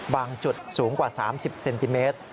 บางจุดสูงกว่า๓๐เซนติเมตร